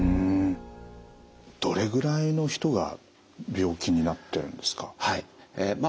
どれぐらいの人が病気になってるんですか？